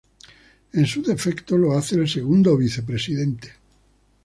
En su defecto, lo hace el Segundo Vicepresidente.